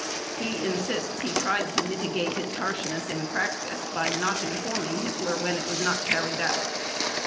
He insists he tried to mitigate its harshness in practice by not informing Hitler when it was not carried out.